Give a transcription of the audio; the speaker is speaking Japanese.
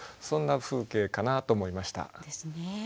そんな風景かなと思いました。